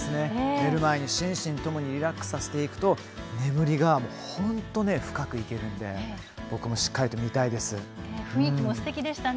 寝る前に心身ともにリラックスさせていくと眠りが深くなるので、僕もしっかりと雰囲気もすてきでしたね。